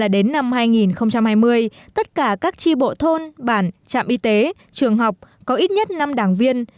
đến năm hai nghìn hai mươi tất cả các tri bộ thôn bản trạm y tế trường học có ít nhất năm đảng viên